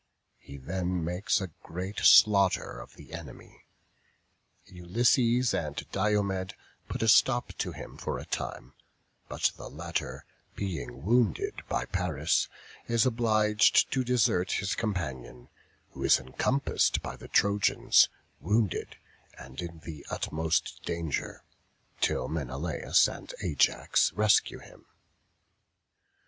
He then makes a great slaughter of the enemy; Ulysses and Diomed put a stop to him for a time; but the latter, being wounded by Paris, is obliged to desert his companion, who is encompassed by the Trojans, wounded, and in the utmost danger, till Menelaus and Ajax rescue him.